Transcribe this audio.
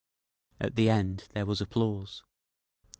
At the end there was applause.